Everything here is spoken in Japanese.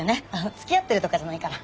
つきあってるとかじゃないから。